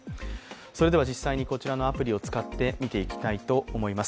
実際にこちらのアプリを使って見ていきたいと思います。